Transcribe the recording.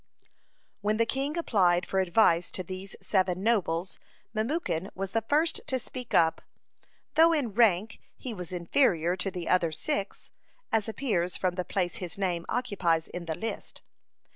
(41) When the king applied for advice to these seven nobles, Memucan was the first to speak up, though in rank he was inferior to the other six, as appears from the place his name occupies in the list.